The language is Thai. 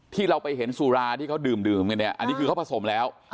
ที่เราไปเห็นสุราที่เขาดื่มกันเนี่ยอันนี้คือเขาผสมแล้ว